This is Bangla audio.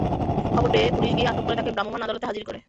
খবর পেয়ে পুলিশ গিয়ে আটক করে তাঁকে ভ্রাম্যমাণ আদালতে হাজির করে।